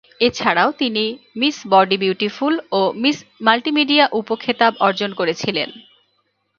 এছাড়াও তিনি 'miss body beautiful' ও 'মিস মাল্টিমিডিয়া' উপ খেতাব অর্জন করেছিলেন।